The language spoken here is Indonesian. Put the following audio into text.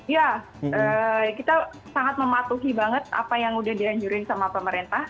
ya kita sangat mematuhi banget apa yang udah dianjurin sama pemerintah